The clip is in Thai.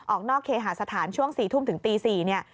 ออกนอกเคหาสถานช่วง๔ทุ่มถึงตี๔เนี่ย